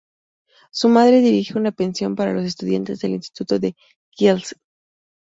Su madre dirige una pensión para los estudiantes del instituto de Kielce.